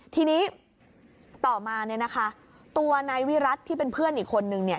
ทีนี้ต่อมาเนี่ยนะคะตัวนายวิรัติที่เป็นเพื่อนอีกคนนึงเนี่ย